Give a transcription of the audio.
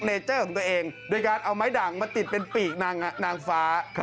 อ่านยากเหลือเกินนะครับเขาเต้นแบบนี้เพื่อที่จะขายไม้ด่างนะครับ